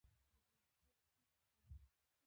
د هیټ ډیت کائنات تبخیر کوي.